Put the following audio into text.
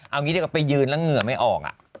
เอางี้ดีกว่าไปยืนแล้วเหงื่อไม่ออก